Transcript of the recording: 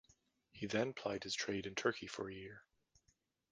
He then plied his trade in Turkey for a year.